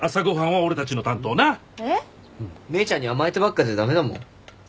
姉ちゃんに甘えてばっかじゃ駄目だもん。